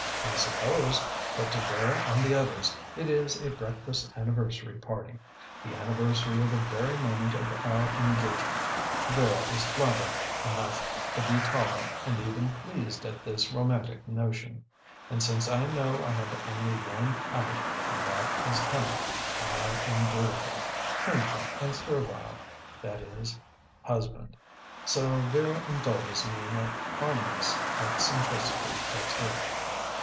I suppose. But, to Vera and the others, it is a breakfast anniversary party the anniversary of the very moment of our engagement. Vera is flattered enough to be tolerant and even pleased at this romantic notion. And, since I know I have only one out and that it is coming, I am a dutiful cringing and servile, that is husband. So Vera indulges me in a harmless eccentricity or two.